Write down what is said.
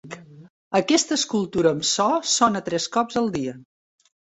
Aquesta escultura amb so sona tres cops al dia.